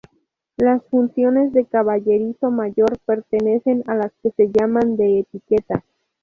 Las funciones de Caballerizo mayor pertenecen a las que se llaman "de etiqueta".